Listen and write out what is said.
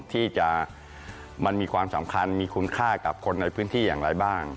ที่จะมันมีความสำคัญมีคุณค่ากับคนในพื้นที่อย่างไรบ้าง